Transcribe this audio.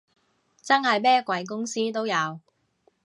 真係咩鬼公司都有